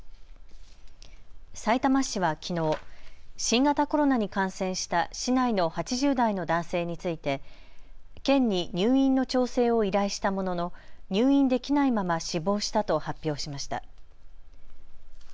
さいたま市はきのう、新型コロナに感染した市内の８０代の男性について県に入院の調整を依頼したものの入院できないまま死亡したと発表しました。